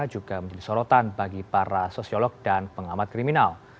juga menjadi sorotan bagi para sosiolog dan pengamat kriminal